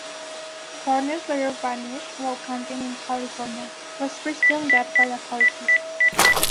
Barnes later vanished while camping in California was presumed dead by authorities.